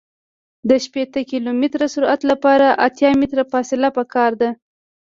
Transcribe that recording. د شپیته کیلومتره سرعت لپاره اتیا متره فاصله پکار ده